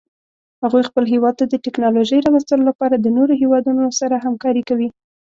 هغوی خپل هیواد ته د تکنالوژۍ راوستلو لپاره د نورو هیوادونو سره همکاري کوي